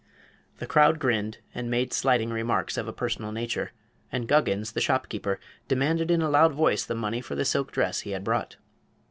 The crowd grinned and made slighting remarks of a personal nature, and Guggins, the shopkeeper, demanded in a loud voice the money for the silk dress he had brought.